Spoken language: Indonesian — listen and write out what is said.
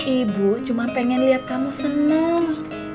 ibu cuma ingin lihat kamu senang